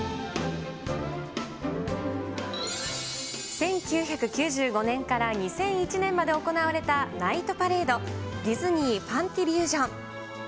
１９９５年から２００１年まで行われたナイトパレード、ディズニー・ファンティリュージョン！